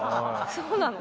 そうなの？